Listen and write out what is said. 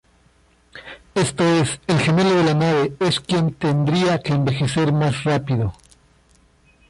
Esto es, el gemelo de la nave es quien tendría que envejecer más rápido.